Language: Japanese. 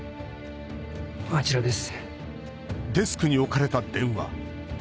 あちらです。